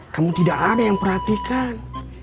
kamu tidak ada yang perhatikan